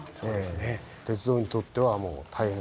鉄道にとってはもう大変。